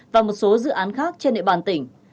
và một số dự án khác trên địa bàn tỉnh